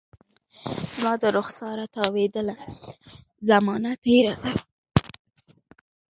زما د رخساره تاویدله، زمانه تیره ده